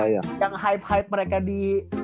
yang hype hype mereka di